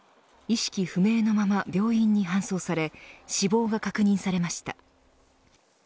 意識不明のまま病院に搬送され死亡が確認されました。